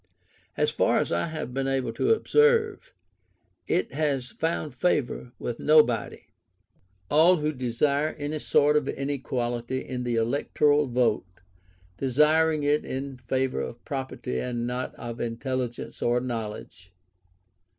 As far as I have been able to observe, it has found favour with nobody; all who desire any sort of inequality in the electoral vote, desiring it in favour of property and not of intelligence or knowledge.